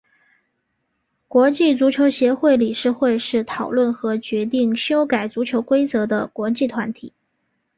国际足球协会理事会是讨论和决定修改足球规则的国际团体。